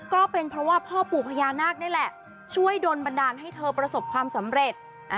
ก็เป็นเพราะว่าพ่อปู่พญานาคนี่แหละช่วยโดนบันดาลให้เธอประสบความสำเร็จ